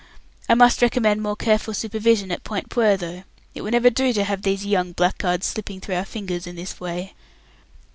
"I must recommend more careful supervision at Point Puer, though. It will never do to have these young blackguards slipping through our fingers in this way."